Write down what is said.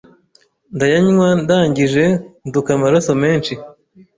ndayanywa ndangije nduka amaraso menshi